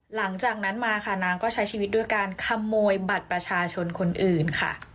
หลังจากนั้นมาค่ะนางก็ใช้ชีวิตด้วยการขโมยบัตรประชาชนคนอื่นค่ะ